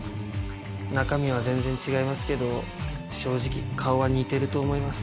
中身は全然違いますけど正直顔は似てると思います。